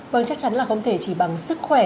vâng chắc chắn là không thể chỉ bằng sức khỏe